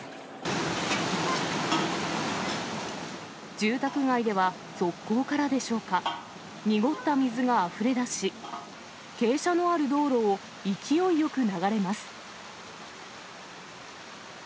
住宅街では、側溝からでしょうか、濁った水があふれ出し、傾斜のある道路を勢いよく流れます。